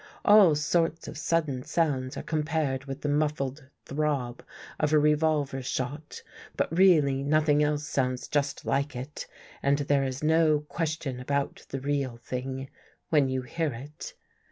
All sorts of sudden sounds are compared with the muffled throb of a revolver shot, but really nothing else sounds just like it and there is no question about the real thing when you hear it.